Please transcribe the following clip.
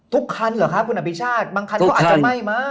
ทุกคันเหรอครับคุณอภิชาติบางคันก็อาจจะไหม้มา